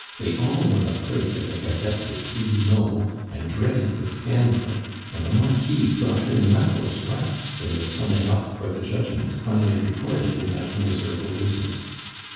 They all were afraid of the Gazette des Tribunaux, and dreaded the scandal, and the Marquise got her knuckles rapped in the summing up for the judgment finally recorded in that miserable business.